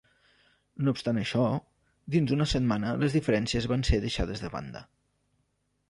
No obstant això, dins d'una setmana les diferències van ser deixades de banda.